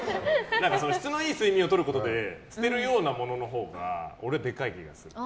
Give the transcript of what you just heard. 質のいい睡眠をとることで捨てるようなもののほうが俺はでかい気がする。